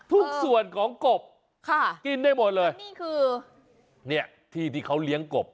ทุกส่วนของกบค่ะกินได้หมดเลยนี่คือเนี่ยที่ที่เขาเลี้ยงกบ